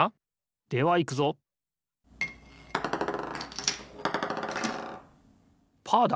ではいくぞパーだ！